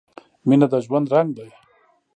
• مینه د ژوند رنګ دی.